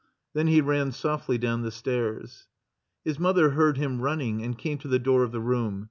Then he ran softly down the stairs. His mother heard him running and came to the door of the room.